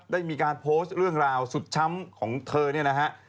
ได้มีการโพสต์เรื่องราวสุดช้ำของเธอเนี่ยนะฮะ